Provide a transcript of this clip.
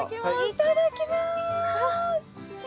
いただきます。